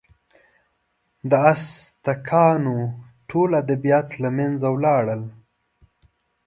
د ازتکانو ټول ادبیات له منځه ولاړل.